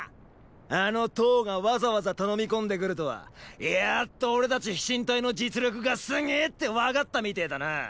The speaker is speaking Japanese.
あの騰がわざわざ頼み込んでくるとはやっと俺たち飛信隊の実力がすげェーって分かったみてーだな！